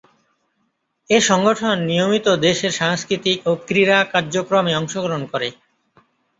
এ সংগঠন নিয়মিত দেশের সাংস্কৃতিক ও ক্রীড়া কার্যক্রমে অংশগ্রহণ করে।